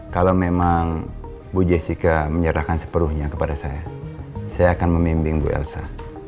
kalau memang bu jessica menyerahkan sepenuhnya kepada saya saya akan memimbing bu elsa